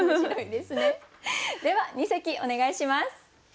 では二席お願いします。